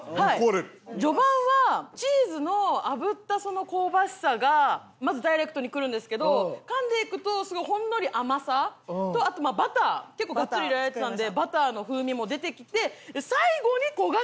序盤はチーズのあぶった香ばしさがまずダイレクトにくるんですけど噛んでいくとすごいほんのり甘さとあとまあバター結構ガッツリ入れられてたんでバターの風味も出てきて最後に焦がし